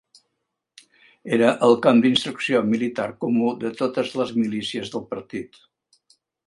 Era el camp d'instrucció militar comú de totes les milícies del partit